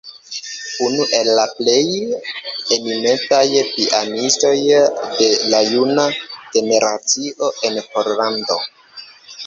Unu el la plej eminentaj pianistoj de la juna generacio en Pollando.